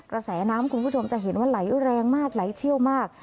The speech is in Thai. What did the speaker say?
กระแสน้ำคุณผู้ชมจะเห็นว่าไหลแรงมากไหลเชี่ยวมาก